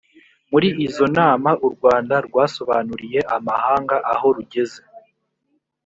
muri izo nama u rwanda rwasobanuriye amahanga aho rugeze.